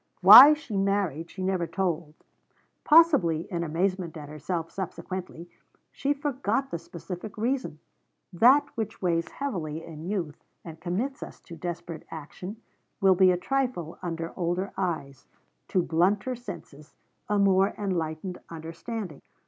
Why she married, she never told. Possibly, in amazement at herself subsequently, she forgot the specific reason. That which weighs heavily in youth, and commits us to desperate action, will be a trifle under older eyes, to blunter senses, a more enlightened understanding.